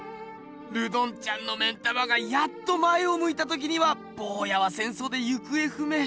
ルドンちゃんの目ん玉がやっと前をむいた時にはぼうやは戦争で行方不明。